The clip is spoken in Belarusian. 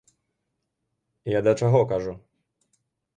Я да чаго кажу?